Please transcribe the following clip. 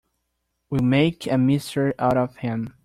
We'll make a mystery out of him.